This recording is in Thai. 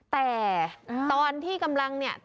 แต่ตอนที่กำลังเนี่ย